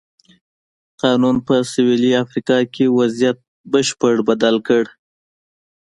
قانون په سوېلي افریقا کې وضعیت بشپړه بدل کړ.